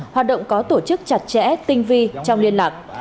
hoạt động có tổ chức chặt chẽ tinh vi trong liên lạc